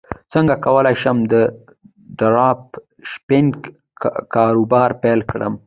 څنګه کولی شم د ډراپ شپینګ کاروبار پیل کړم